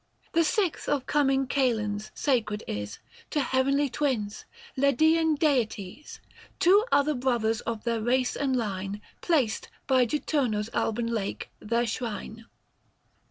The sixth of corning Kalends sacred is 755 To heavenly twins, Ledsean deities :— Two other brothers of their race and line Placed, by Juturna's Alban lake, their shrine.